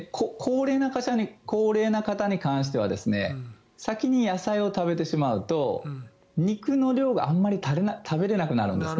高齢な方に関しては先に野菜を食べてしまうと肉の量があまり食べれなくなるんですね。